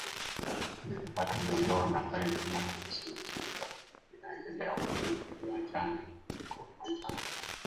ili kupata dondoo na habari muhimu kuhusu michezo mbalimbali inayoendelea huko viwanjani